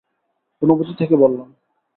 অনুভূতি থেকে বললাম।